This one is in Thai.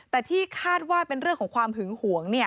แต่ที่คาดว่าเป็นเรื่องของความหึงหวง